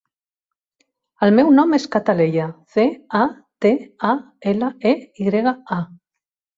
El meu nom és Cataleya: ce, a, te, a, ela, e, i grega, a.